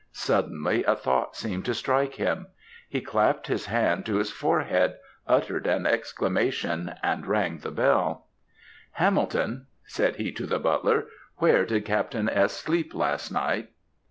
Suddenly, a thought seemed to strike him; he clapt his hand to his forehead, uttered an exclamation, and rang the bell. "'Hamilton,' said he to the butler, 'where did Captain S. sleep last night?'